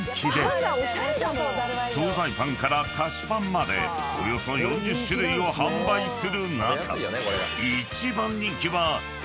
［総菜パンから菓子パンまでおよそ４０種類を販売する中］